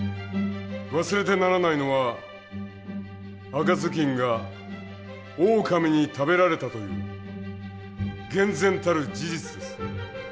忘れてならないのは赤ずきんがオオカミに食べられたという厳然たる事実です。